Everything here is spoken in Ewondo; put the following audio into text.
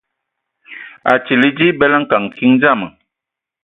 Atili dzi a bələ kan kiŋ dzam.